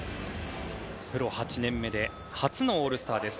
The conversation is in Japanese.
プロ８年目で初のオールスターです。